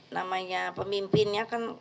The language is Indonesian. namanya pemimpinnya kan